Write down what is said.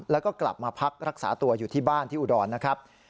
แล้วก็กลับมาพักรักษาตัวอยู่ที่บ้านที่อุดรนะครับ